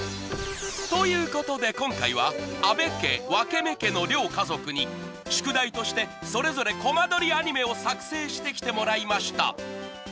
ということで今回は安部家分目家の両家族に宿題としてそれぞれコマ撮りアニメを作成してきてもらいました。